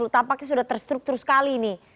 tampaknya sudah terstruktur sekali nih